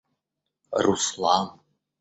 Руслан